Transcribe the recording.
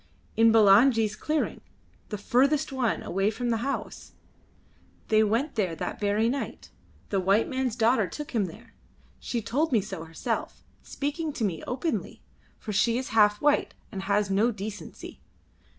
"In Bulangi's clearing the furthest one, away from the house. They went there that very night. The white man's daughter took him there. She told me so herself, speaking to me openly, for she is half white and has no decency.